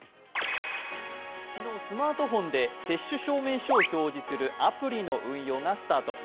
昨日、スマートフォンで接種証明書を表示するアプリの運用がスタート。